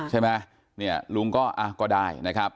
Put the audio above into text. ใช่ไหมเนี่ยลุงก็ได้นะครับ